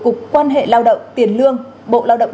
cục quan hệ lao động tiền lương bộ lao động